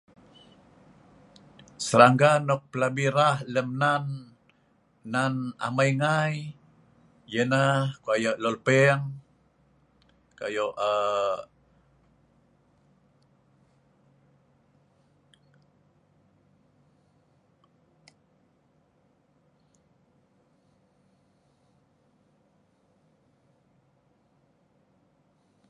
Serangga nok plabi rah lem nan..nan amai ngai ialah kayo lopeng, kayo aa...